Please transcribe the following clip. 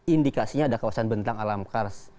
indikasinya ada kawasan bentang alam kars